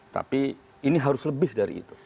tapi ini harus lebih dari itu